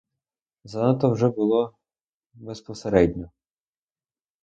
Занадто вже було безпосередньо.